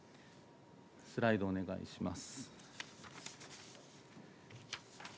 スライドお願いします。